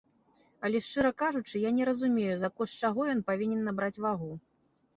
Але шчыра кажучы, я не разумею, за кошт чаго ён павінен набраць вагу.